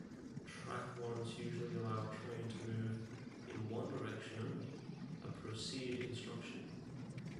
Track warrants usually allow a train to move in one direction only-a "Proceed" instruction.